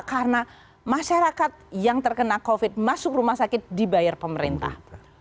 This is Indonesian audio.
karena masyarakat yang terkena covid masuk rumah sakit dibayar pemerintah